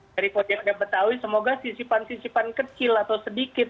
dari pojakarta betawi semoga sisipan sisipan kecil atau sedikit